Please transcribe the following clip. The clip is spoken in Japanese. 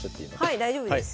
はい大丈夫です。